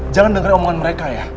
jangan dengar omongan mereka ya